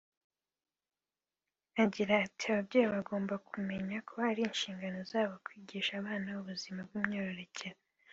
Agira ati “Ababyeyi bagomba kumenya ko ari inshingano zabo kwigisha abana ubuzima bw’imyororokere